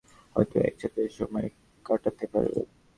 বাহ, তোমার স্টডিওতে দুজনে হয়তো একসাথে সময় কাটাতে পারবে।